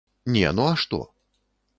Не, ну а што?